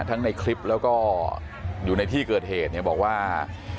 ในคลิปแล้วก็อยู่ในที่เกิดเหตุเนี่ยบอกว่า